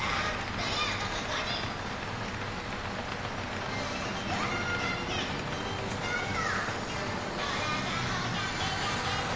土曜午後５時スタート！